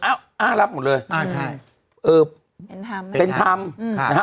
อ้าวอ้าวรับหมดเลยอ้าวใช่เออเป็นธรรมเป็นธรรมอืมนะฮะ